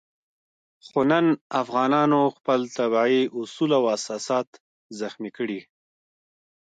خو نن افغانانو خپل طبیعي اصول او اساسات زخمي کړي.